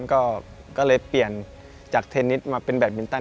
ก็เลยเปลี่ยนจากเทนนิสมาเป็นแบบมินตัน